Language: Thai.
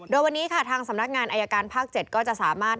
โดยวันนี้ค่ะทางสำนักงานอายการภาค๗ก็จะสามารถ